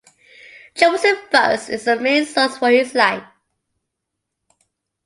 Josephus is our main source for his life.